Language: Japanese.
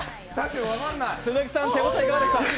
鈴木さん手応えいかがでしたか？